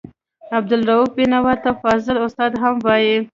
عبدالرؤف بېنوا ته فاضل استاد هم وايي.